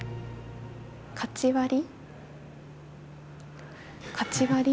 「カチ割り」？